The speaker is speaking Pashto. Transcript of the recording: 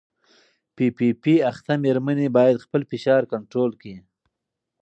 پي پي پي اخته مېرمنې باید خپل فشار کنټرول کړي.